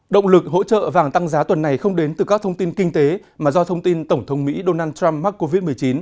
động lực hỗ trợ vàng tăng giá tuần này không đến từ các thông tin kinh tế mà do thông tin tổng thống mỹ donald trump mắc covid một mươi chín